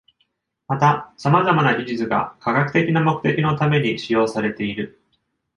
また、さまざまな技術が科学的な目的のために使用されている。